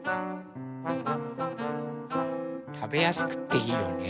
たべやすくていいよね。